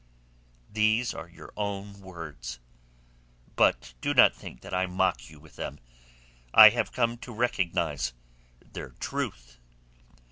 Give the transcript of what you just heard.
These are your own words. But do not think that I mock you with them. I have come to recognize their truth."